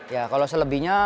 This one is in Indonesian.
ya kalau selebihnya